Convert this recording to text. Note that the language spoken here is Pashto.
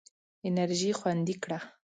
انرژي خوندي کړه.